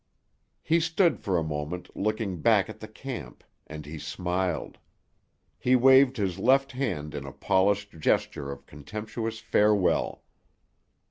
He stood for a moment, looking back at the camp, and he smiled. He waved his left hand in a polished gesture of contemptuous farewell.